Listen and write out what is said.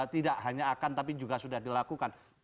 tidak hanya akan tapi juga sudah dilakukan